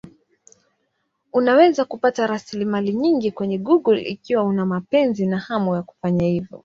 Unaweza kupata rasilimali nyingi kwenye Google ikiwa una mapenzi na hamu ya kufanya hivyo.